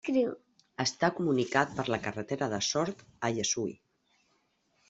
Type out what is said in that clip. Està comunicat per la carretera de Sort a Llessui.